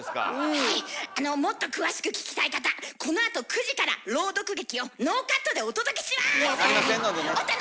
あのもっと詳しく聞きたい方このあと９時から朗読劇をノーカットでお届けします！